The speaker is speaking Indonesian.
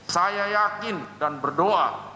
saya yakin dan berdoa